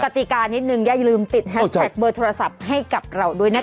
ติกานิดนึงอย่าลืมติดแฮชแท็กเบอร์โทรศัพท์ให้กับเราด้วยนะคะ